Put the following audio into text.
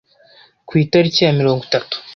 ku itariki ya mirongo itatu